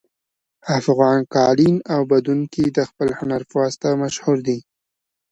افغان قالین اوبدونکي د خپل هنر په واسطه مشهور دي